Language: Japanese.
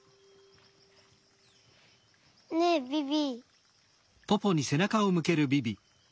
ねえビビ。